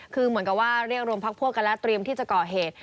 คือเหมือนกับว่าเรียกรวมพักพวกกันแล้วเตรียมที่จะก่อเหตุ